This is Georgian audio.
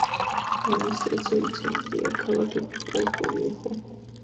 ადმინისტრაციული ცენტრია ქალაქი პორტოვიეხო.